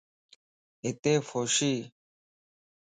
ھتي ڦوشيَ